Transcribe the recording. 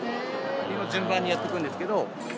順番にやっていくんですけど。